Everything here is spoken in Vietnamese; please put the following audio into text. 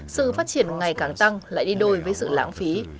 sự phát triển ngày càng tăng lại đi đôi với sự lãng phí